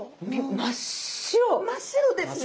真っ白ですね。